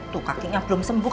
tuh kakinya belum sembuh